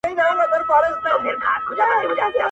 په بل کلي کي د دې سړي یو یار وو,